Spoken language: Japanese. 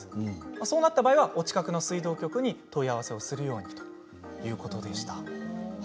そうなった場合はお近くの水道局に問い合わせをするように、ということでした。